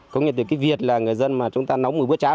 có nghĩa từ cái việc là người dân mà chúng ta nấu mùi bữa trá